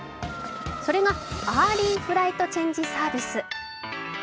それがアーリーフライトチェンジサービス。